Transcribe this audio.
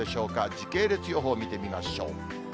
時系列予報見てみましょう。